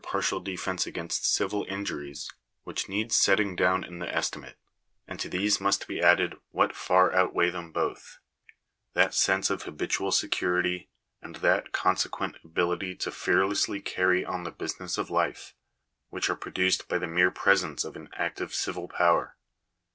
partial defence against civil injuries which needs setting down in the estimate ; and to these must be added what far outweigh them both — that sense of habitual security, and that consequent ability to fearlessly carry on the business of life, whioh are pro duced by the mere presence of an active civil power.